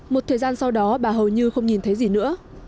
một thời gian sau đó bà hầu như không nhìn thấy gì nữa